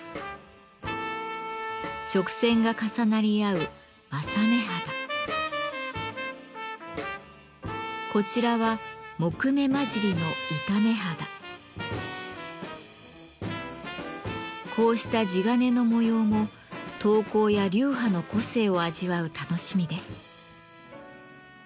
直線が重なり合うこちらはこうした地鉄の模様も刀工や流派の個性を味わう楽しみです。